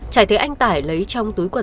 trải thấy anh tải lấy trong túi quần áo